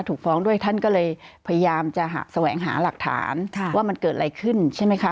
ถูกฟ้องด้วยท่านก็เลยพยายามจะแสวงหาหลักฐานว่ามันเกิดอะไรขึ้นใช่ไหมคะ